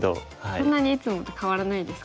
そんなにいつもと変わらないですか？